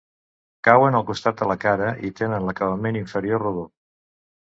Cauen al costat de la cara i tenen l'acabament inferior rodó.